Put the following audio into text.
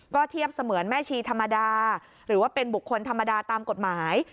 เทียบเสมือนแม่ชีธรรมดาหรือว่าเป็นบุคคลธรรมดาตามกฎหมาย